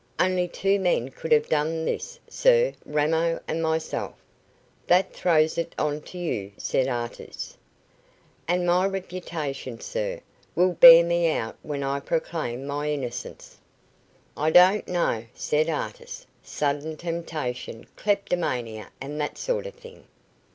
"Only two men could have done this, sir, Ramo and myself." "That throws it on to you," said Artis. "And my reputation, sir, will bear me out when I proclaim my innocence." "I don't know," said Artis. "Sudden temptation; kleptomania and that sort of thing."